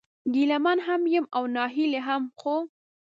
ګيله من هم يم او ناهيلی هم ، خو